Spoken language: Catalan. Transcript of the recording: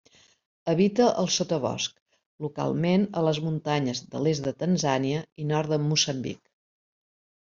Habita el sotabosc, localment a les muntanyes de l'est de Tanzània i nord de Moçambic.